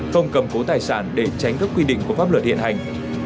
không cầm cố tài sản để tránh các quy định của pháp luật hiện hành